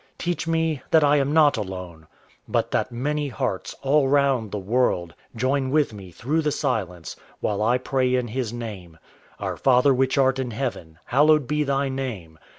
Teach me that I am not alone, But that many hearts, all round the world, Join with me through the silence, while I pray in His name: _Our Father which art in heaven, hallowed be Thy name.